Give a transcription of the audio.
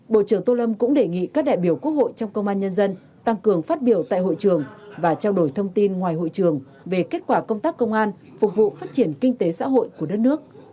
bộ trưởng tô lâm cũng đề nghị các đại biểu quốc hội trong công an nhân dân tăng cường phát biểu tại hội trường và trao đổi thông tin ngoài hội trường về kết quả công tác công an phục vụ phát triển kinh tế xã hội của đất nước